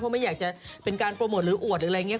ไม่อยากจะเป็นการโปรโมทหรืออวดหรืออะไรอย่างนี้